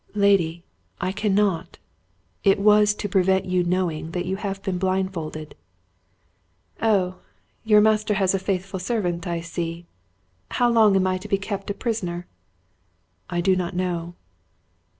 "Lady, I cannot! It was to prevent you knowing, that you have been blindfolded." "Oh! your master has a faithful servant, I see! How long am I to be kept a prisoner?" "I do not know."